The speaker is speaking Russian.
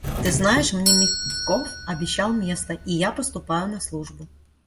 Ты знаешь, мне Мягков обещал место, и я поступаю на службу.